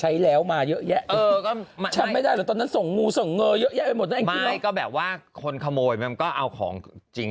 ใช้แล้วมาย์มาทำไมแดะเมื่อตอนนั้นส่งลูกส่งเงียบแบบว่าคนขโมยมันก็เอาของจริง